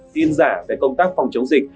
tin giả về công tác phòng chống dịch